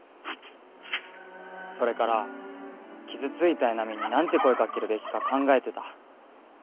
それから傷ついた江波に何て声かけるべきか考えてた。